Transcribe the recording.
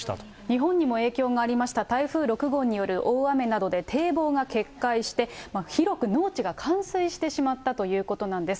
日本にも影響がありました、台風６号による大雨などで堤防が決壊して、広く農地が冠水してしまったということなんです。